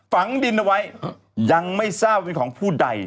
ฝังดินเอาไว้ยังไม่ทราบเป็นของผู้ใด